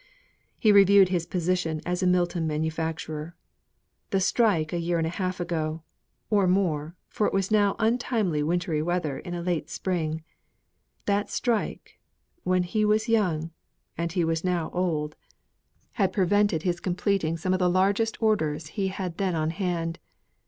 He reviewed his position as a Milton manufacturer. The strike a year and a half ago, or more, for it was now untimely wintry weather, in a late spring, that strike, when he was young, and he now was old had prevented his completing some of the large orders he had then on hand.